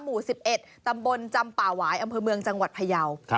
หมู่๑๑ตำบลจำป่าหวายอำเภอเมืองจังหวัดพยาว